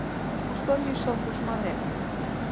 Кушто лишыл тушманет?